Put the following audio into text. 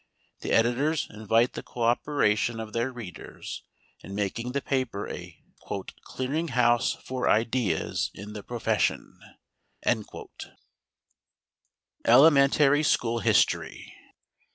The editors invite the coöperation of their readers in making the paper a "clearing house for ideas in the profession." ELEMENTARY SCHOOL HISTORY.